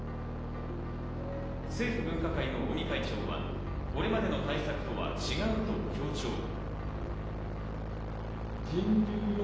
政府分科会の尾身会長はこれまでの対策とは違うと強調。